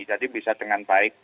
jadi bisa dengan baik